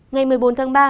ngày một mươi bốn tháng ba